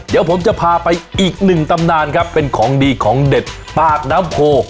เดี๋ยวผมจะพาไปอีกหนึ่งตำนานครับเป็นของดีของเด็ดปากน้ำโพ